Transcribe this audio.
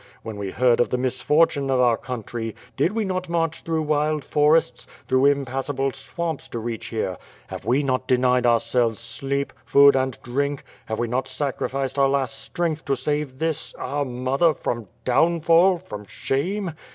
When we heard of the misfortune oi our country, did we not march through wild forests, through impassable swamps to reach here; have we not denied ourselves oleep, food, and drink; have we not sacrificed our last strength to save this, our mother, from downfall, from shame?